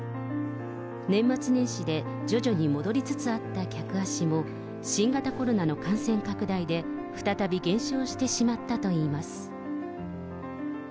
年末年始で徐々に戻りつつあった客足も、新型コロナの感染拡大で再び減少してしまったといいます。